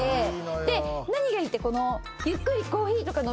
で何がいいって。